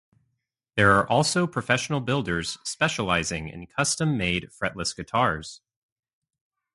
There are also professional builders specialising in custom-made fretless guitars.